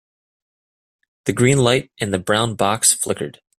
The green light in the brown box flickered.